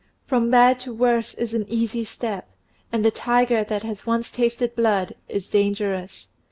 From bad to worse is an easy step, and the tiger that has once tasted blood is dangerous.